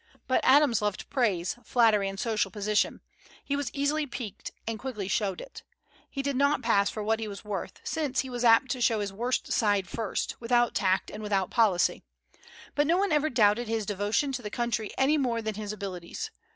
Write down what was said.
But Adams loved praise, flattery, and social position. He was easily piqued, and quickly showed it. He did not pass for what he was worth, since he was apt to show his worst side first, without tact and without policy. But no one ever doubted his devotion to the country any more than his abilities.